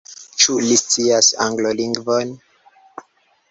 Ĉu li scias Anglolingvon?